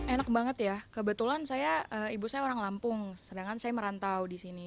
enak banget ya kebetulan saya ibu saya orang lampung sedangkan saya merantau di sini